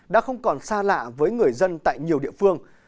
đã không còn xa lạ với người dân tại nhiều địa phương